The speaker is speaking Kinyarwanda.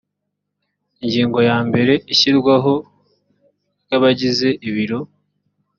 ingingo yambere ishyirwaho ry abagize ibiro